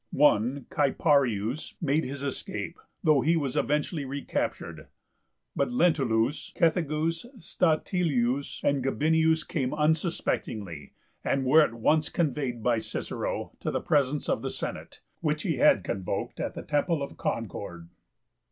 One, Caeparius, made his escape, though he was eventually recaptured; but Lentulus, Cethegus, Statilius, and Gabinius came unsuspectingly, and were at once conveyed by Cicero to the presence of the Senate, which he had convoked at the Temple of Concord.